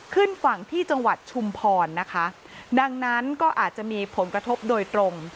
ขึ้นฝั่งที่จังหวัดชุมพรนะคะดังนั้นก็อาจจะมีผลกระทบโดยตรง